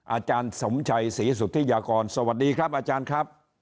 อาจารย์สมชัยศรีสุธิยากรสวัสดีครับอาจารย์ครับ